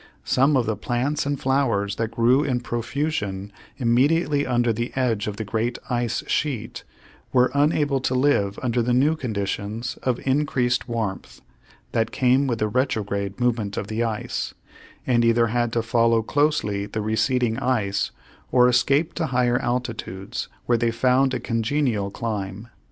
Some of the plants and flowers that grew in profusion immediately under the edge of the great ice sheet were unable to live under the new conditions of increased warmth that came with the retrograde movement of the ice and either had to follow closely the receding ice or escape to higher altitudes, where they found a congenial clime.